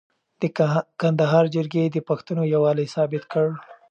د کندهار جرګې د پښتنو یووالی ثابت کړ.